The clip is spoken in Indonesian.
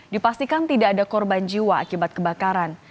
dipastikan tidak ada korban jiwa akibat kebakaran